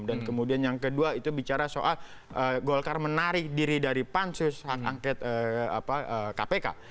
dan kemudian yang kedua itu bicara soal golkar menarik diri dari pansus hak anget kpk